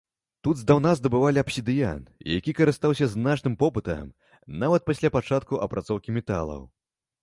Тут здаўна здабывалі абсідыян, які карыстаўся значным попытам нават пасля пачатку апрацоўкі металаў.